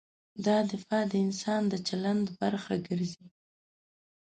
دا دفاع د انسان د چلند برخه ګرځي.